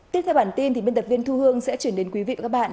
tiếp theo bản tin biên tập viên thu hương sẽ chuyển đến quý vị và các bạn